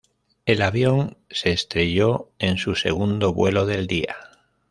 El avión se estrelló en su segundo vuelo del día.